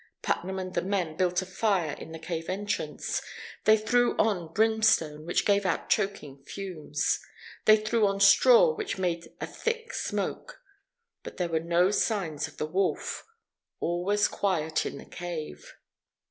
Putnam and the men built a fire in the cave entrance. They threw on brimstone which gave out choking fumes. They threw on straw which made a thick smoke. But there were no signs of the wolf. All was quiet in the cave.